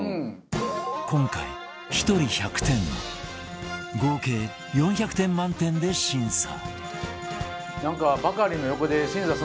今回１人１００点の合計４００点満点で審査